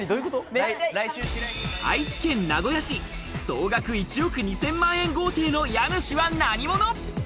愛知県名古屋市、総額１億２千万円豪邸の家主は何者？